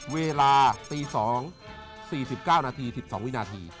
เวลาตี๒๔๙นาที๑๒วินาที